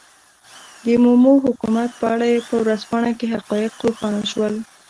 د مومو حکومت په اړه په ورځپاڼه کې حقایق روښانه شول.